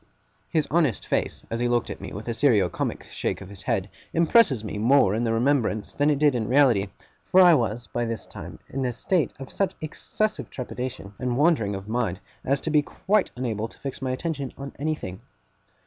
His honest face, as he looked at me with a serio comic shake of his head, impresses me more in the remembrance than it did in the reality, for I was by this time in a state of such excessive trepidation and wandering of mind, as to be quite unable to fix my attention on anything.